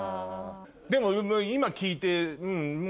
でも今聞いてもう。